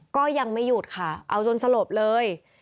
ก็ยังไม่หยุดค่ะเอาจนสลบเลย